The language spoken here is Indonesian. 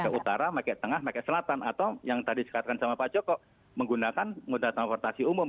maka utara makai tengah makai selatan atau yang tadi sekatkan sama pak joko menggunakan mobil transportasi umum